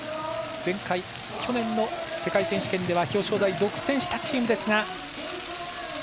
去年の世界選手権では表彰台独占したチームですが。